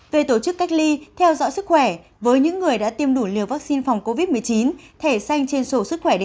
về tổ chức cách ly theo dõi sức khỏe với những người đã tiêm đủ liều vaccine phòng covid một mươi chín